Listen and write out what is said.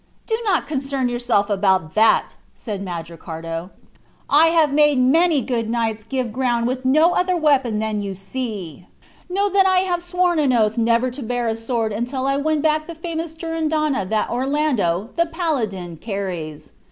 "Do not concern yourself about that," said Mandricardo; "I have made many good knights give ground with no other weapon than you see. Know that I have sworn an oath never to bear a sword until I win back that famous Durindana that Orlando, the paladin, carries.